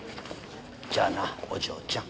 じゃあなお嬢ちゃん。